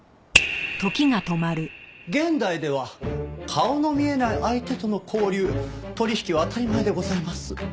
現代では顔の見えない相手との交流・取引は当たり前でございます。